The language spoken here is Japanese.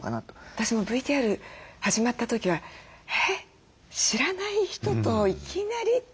私もＶＴＲ始まった時は「えっ知らない人といきなり？」って思ったんです。